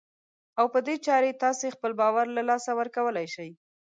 او په دې چارې تاسې خپل باور له لاسه ورکولای شئ.